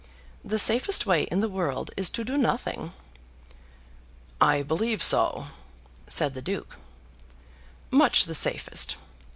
The safest way in the world is to do nothing." "I believe so," said the Duke. "Much the safest.